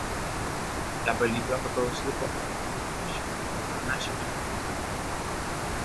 La película fue producida por British International Pictures Ltd.